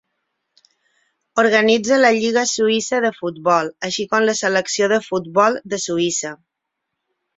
Organitza la lliga suïssa de futbol, així com la selecció de futbol de Suïssa.